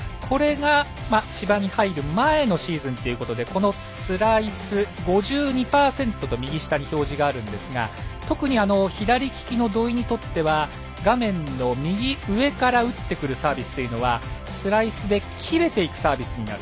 芝に入る前のシーズンということでスライス５２％と表示がありますが特に左利きの土居にとっては画面の右上から打ってくるサービスというのはスライスで切れていくサービスになる。